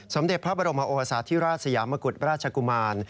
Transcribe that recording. สมเด็จพระบรมโอสาธิราชสยามกุฎราชกุมาร